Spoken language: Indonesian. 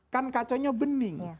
kan kacanya bening